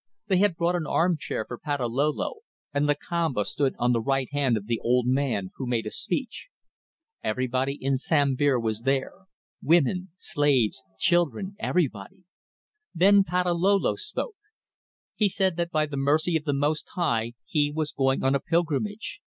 They had brought an armchair for Patalolo, and Lakamba stood on the right hand of the old man, who made a speech. Everybody in Sambir was there: women, slaves, children everybody! Then Patalolo spoke. He said that by the mercy of the Most High he was going on a pilgrimage.